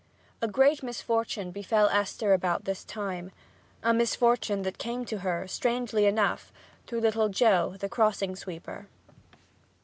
A great misfortune befell Esther about this time a misfortune that came to her, strangely enough, through little Joe, the crossing sweeper.